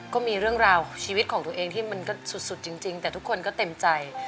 ก็มีเรื่องราวชีวิตของตัวเองที่มันก็สุดจริงแต่ทุกคนก็เต็มใจ